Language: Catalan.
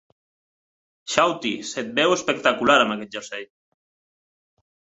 Shawty, se't veu espectacular amb aquest jersei.